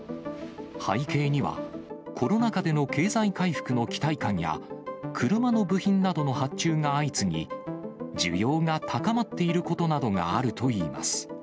背景には、コロナ禍での経済回復の期待感や、車の部品などの発注が相次ぎ、需要が高まっていることなどがあるといいます。